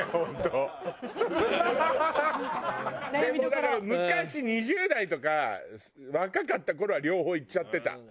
だから昔２０代とか若かった頃は両方いっちゃってた。